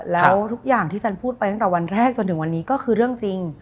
แล้วทุกอย่างที่ฉันพูดไปตั้งแต่วันแรกจนถึงวันนี้ก็คือเรื่องจริง